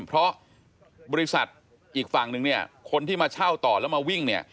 เพราะบริษัทอีกฝั่งนึงเนี่ยคนที่มาเช่าต่อแล้วมาวิ่งเนี่ย